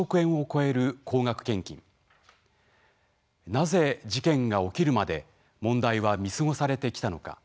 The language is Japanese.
なぜ事件が起きるまで問題は見過ごされてきたのか。